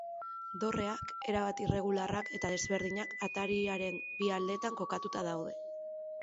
Dorreak, erabat irregularrak eta desberdinak, atariaren bi aldeetan kokatuta daude.